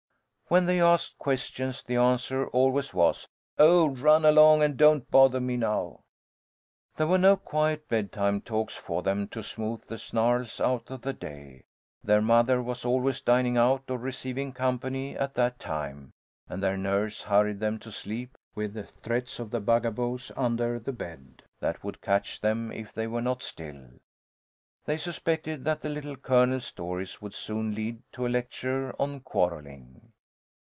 When they asked questions the answer always was, "Oh, run along and don't bother me now." There were no quiet bedtime talks for them to smooth the snarls out of the day. Their mother was always dining out or receiving company at that time, and their nurse hurried them to sleep with threats of the bugaboos under the bed that would catch them if they were not still. They suspected that the Little Colonel's stories would soon lead to a lecture on quarrelling.